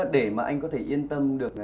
để mà anh có thể yên tâm được